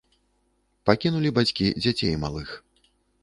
Пакінулі бацькі дзяцей малых.